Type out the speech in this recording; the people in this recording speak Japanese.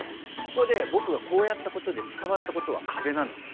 ここでぼくがこうやったことで伝わったことはカベなの。